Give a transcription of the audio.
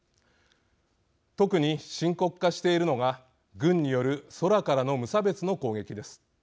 特に深刻化しているのが軍による空からの無差別の攻撃です。